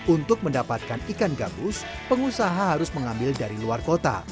untuk mendapatkan ikan gabus pengusaha harus mengambil dari luar kota